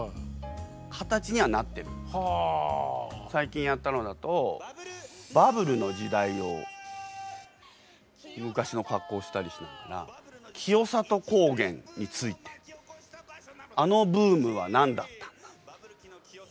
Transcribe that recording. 最近やったのだとバブルの時代を昔の格好したりしながら清里高原についてあのブームは何だったんだ。